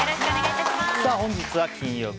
本日は、金曜日。